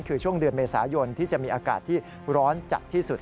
คือช่วงเดือนเมษายนที่จะมีอากาศที่ร้อนจัดที่สุด